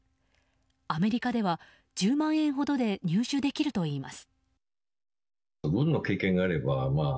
アメリカでは１０万円ほどで入手できるといいます。